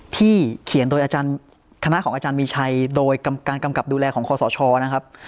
ที่เขียนโดยอาจารย์คณะของอาจารย์มีชัยโดยการกำกับดูแลของคอสชนะครับ